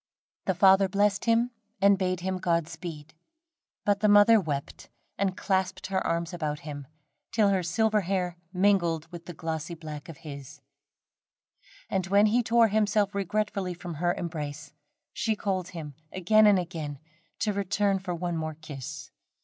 The father blessed him, and bade him Godspeed, but the mother wept and clasped her arms about him, till her silver hair mingled with the glossy black of his; and when he tore himself regretfully from her embrace, she called him again and again to return for one more kiss.